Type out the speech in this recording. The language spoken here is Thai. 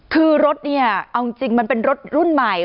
คือรถเนี่ยเอาจริงมันเป็นรถรุ่นใหม่